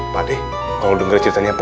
pak d kalau denger ceritanya apa